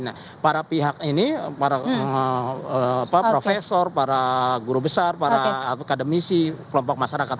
nah para pihak ini para profesor para guru besar para akademisi kelompok masyarakat